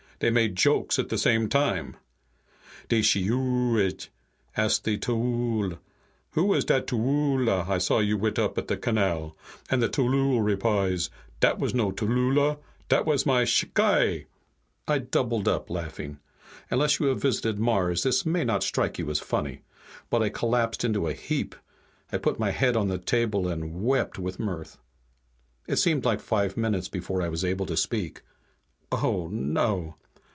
They make jokes at same time. De shiyooch'iid asks de tllooll, 'Who was dat tlloolla I saw you wit' up the Canal?' and the tllooll replies, 'Dat was no tlloolla, dat was my shicai.'" I doubled up, laughing. Unless you have visited Mars this may not strike you as funny, but I collapsed into a heap. I put my head on the table and wept with mirth. It seemed like five minutes before I was able to speak. "Oh, no!"